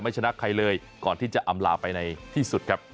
ชนะใครเลยก่อนที่จะอำลาไปในที่สุดครับ